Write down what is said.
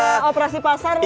iya operasi pasar lah